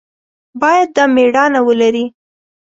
باید دا مېړانه ولري.